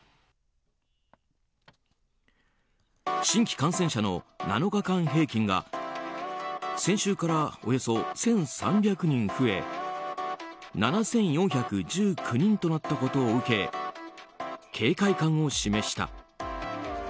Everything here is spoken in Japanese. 新規感染者の７日間平均が先週からおよそ１３００人増え７４１９人となったことを受け警戒感を示した。